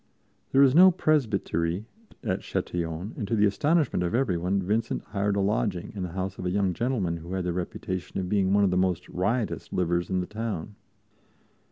There was no presbytery at Châtillon, and to the astonishment of everyone, Vincent hired a lodging in the house of a young gentleman who had the reputation of being one of the most riotous livers in the town.